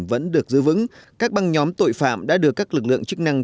vẫn được giữ vững các băng nhóm tội phạm đã được các lực lượng chức năng